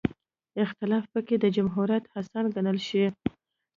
اختلاف پکې د جمهوریت حسن ګڼلی شي.